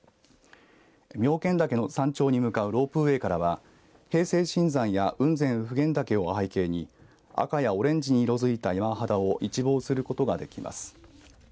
妙見岳の山頂に向かうロープウエーからは平成新山や雲仙・普賢岳を背景に赤やオレンジに色づいた山肌を一望することができます。